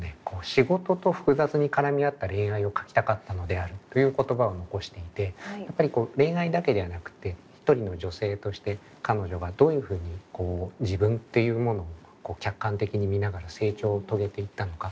「仕事と複雑に絡み合った恋愛を書きたかったのである」という言葉を残していてやっぱりこう恋愛だけではなくて一人の女性として彼女がどういうふうに自分っていうものを客観的に見ながら成長を遂げていったのか。